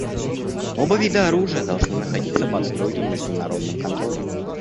Оба вида оружия должны находиться под строгим международным контролем.